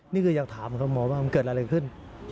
นี่คืออยากถามคุณหมอว่ามันเกิดอะไรขึ้น